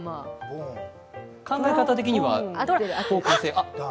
考え方的には方向性は。